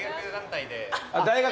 大学？